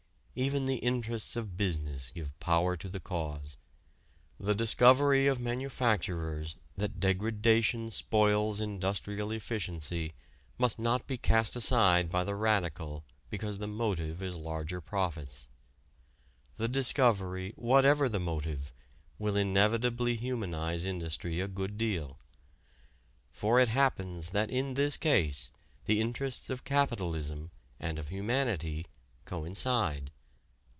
Even the interests of business give power to the cause. The discovery of manufacturers that degradation spoils industrial efficiency must not be cast aside by the radical because the motive is larger profits. The discovery, whatever the motive, will inevitably humanize industry a good deal. For it happens that in this case the interests of capitalism and of humanity coincide.